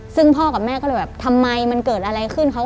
ซึ่งพ่อกับแม่ก็เลยแบบทำไมมันเกิดอะไรขึ้น